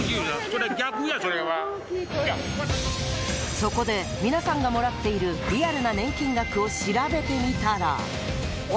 そこで、皆さんがもらっているリアルな年金額を調べてみたら。